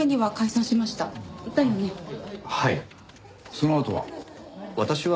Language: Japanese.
そのあとは？